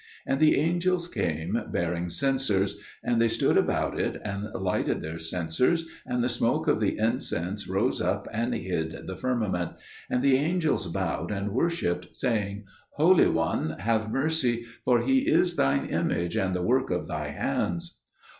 And the angels came bearing censers, and they stood about it and lighted their censers, and the smoke of the incense rose up and hid the firmament; and the angels bowed and worshipped, saying, "Holy One, have mercy, for he is Thine image and the work of Thy hands."